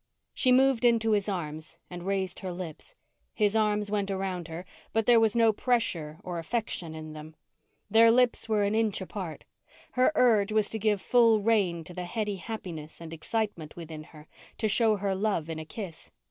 She moved into his arms and raised her lips. His arms went around her, but there was no pressure or affection in them. Their lips were an inch apart. Her urge was to give full rein to the heady happiness and excitement within her to show her love in a kiss.